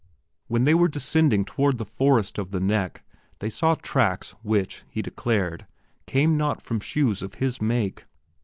When they were descending toward the forest of the "neck" they saw tracks which, he declared, came not from shoes of his make.